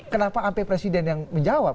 kenapa sampai presiden yang menjawab